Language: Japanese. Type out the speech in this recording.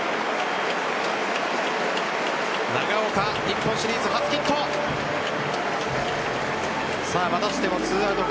長岡、日本シリーズ初ヒット。